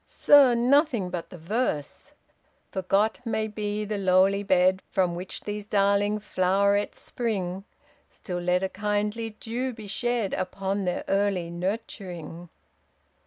"Sir! nothing but the verse, Forgot may be the lowly bed From which these darling flowerets spring, Still let a kindly dew be shed, Upon their early nurturing.